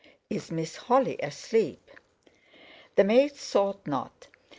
Is Miss Holly asleep?" The maid thought not.